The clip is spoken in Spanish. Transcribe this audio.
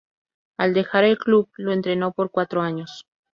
Al dejar el club lo entrenó por cuatro años.